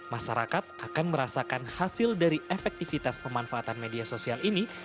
masyarakat akan merasakan hasil dari efektivitas pemanfaatan media sosial ini